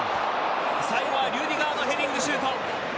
最後はリュディガーのヘディングシュート。